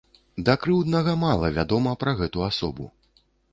Да крыўднага мала вядома пра гэту асобу.